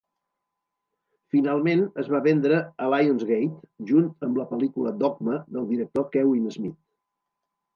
Finalment, es va vendre a Lionsgate, junt amb la pel·lícula "Dogma" del director Kevin Smith.